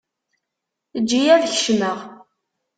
Eǧǧ-iyi ad kecmeɣ.